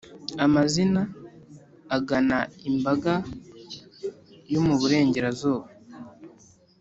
amazi agana imbaga yo mu burengerazuba